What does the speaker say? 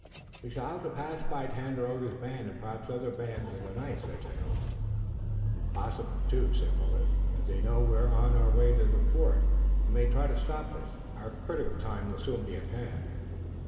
"We shall have to pass by Tandakora's band and perhaps other bands in the night," said Tayoga. "It's possible, too," said Willet, "that they know we're on our way to the fort, and may try to stop us. Our critical time will soon be at hand."